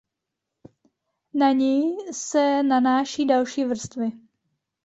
Na ni se nanáší další vrstvy.